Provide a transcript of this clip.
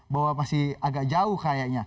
bahwa masih agak jauh kayaknya